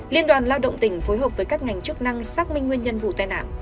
liên đoàn lao động tỉnh phối hợp với các ngành chức năng xác minh nguyên nhân vụ tai nạn